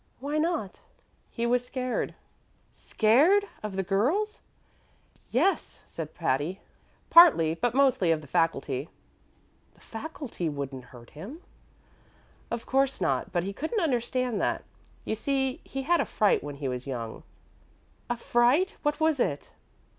"Why not?" "He was scared." "Scared? Of the girls?" "Yes," said Patty, "partly but mostly of the faculty." "The faculty wouldn't hurt him." "Of course not; but he couldn't understand that. You see, he had a fright when he was young." "A fright? What was it?"